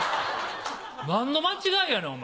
何の間違いやねんお前。